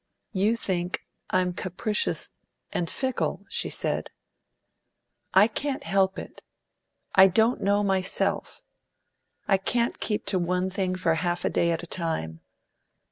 "You think I'm capricious and fickle!" she said. "I can't help it I don't know myself. I can't keep to one thing for half a day at a time.